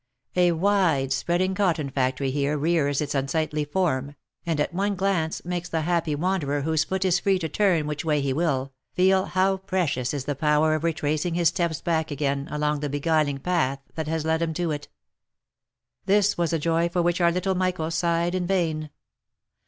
A wide spreading cotton factory here rears its unsightly form, and at one glance makes the happy wanderer whose foot is free to turn which way he will, feel how precious is the power of retracing his steps back again along the beguiling path that has led him to it. This was a joy for which our little Michael sighed in vain.